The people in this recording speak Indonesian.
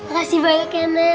makasih banyak ya nenek